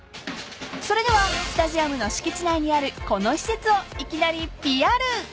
［それではスタジアムの敷地内にあるこの施設を］